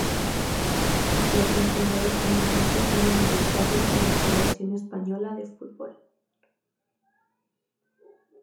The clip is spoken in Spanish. Los sancionados finalmente fueron indultados por la Federación Española de Fútbol.